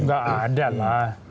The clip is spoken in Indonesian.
nggak ada lah